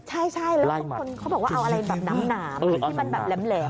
ใช่แล้วเขาบอกเอาอะไรน้ำที่มันแหลม